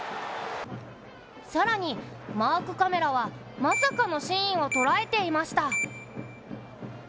更にマークカメラはまさかのシーンを捉えていました。